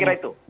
saya kira itu